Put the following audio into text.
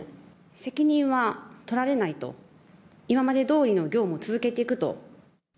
責任は取られないと、今までどおりの業務を続けていくと。